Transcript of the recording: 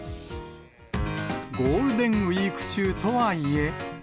ゴールデンウィーク中とはいえ。